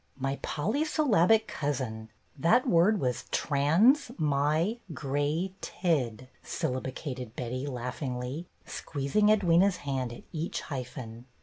"My polysyllabic cousin, that word was trans mi grat ed," syllabicated Betty, laugh ingly, squeezing Edwyna's hand at each hyphen.